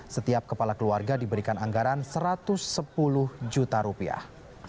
setiap kepala keluarga diberikan anggaran satu ratus sepuluh juta rupiah